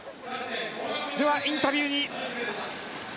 ではインタビューです。